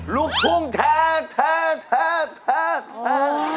ลูกทุ่งเธอเธอเธอเธอ